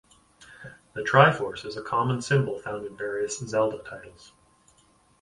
The Triforce is a common symbol found in various Zelda titles.